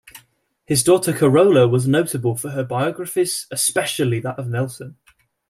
His daughter Carola was notable for her biographies, especially that of Nelson.